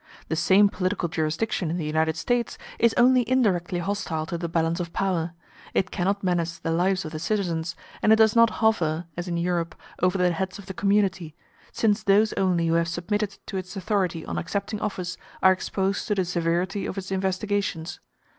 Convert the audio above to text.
The same political jurisdiction in the United States is only indirectly hostile to the balance of power; it cannot menace the lives of the citizens, and it does not hover, as in Europe, over the heads of the community, since those only who have submitted to its authority on accepting office are exposed to the severity of its investigations.